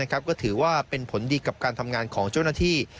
ก็ถือว่าเป็นผลดีกับการทำงานของเจ้าหน้าที่